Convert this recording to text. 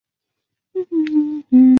康熙五十年升任偏沅巡抚。